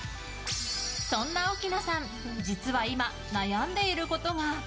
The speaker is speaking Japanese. そんな奥菜さん、実は今悩んでいることが。